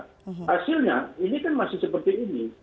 hasilnya ini kan masih seperti ini